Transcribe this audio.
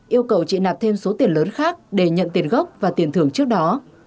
yêu cầu chị nạp thêm số tiền lớn khác để nhận tiền gốc và tiền thưởng trước đó